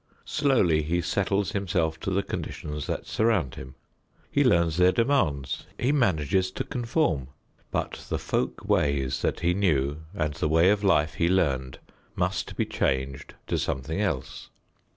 Slowly he settles himself to the conditions that surround him. He learns their demands; he manages to conform, but the folk ways that he knew and the way of life he learned must be changed to something else.